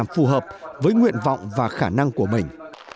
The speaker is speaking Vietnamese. phù hợp với nguyện vọng và khả năng của mình